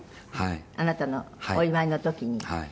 あなたのお祝いの時に。